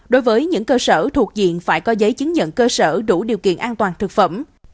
đối với những cơ sở thuộc diện phải có giấy chứng nhận cơ sở đủ điều kiện an toàn thực phẩm